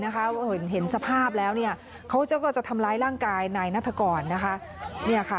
เพราะว่าเขาเห็นสภาพแล้วเขาก็จะทำร้ายร่างกายในนัตรกร